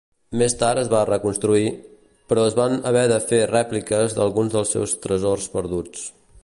Més tard es va reconstruir, però es van haver de fer rèpliques d'alguns dels seus tresors perduts.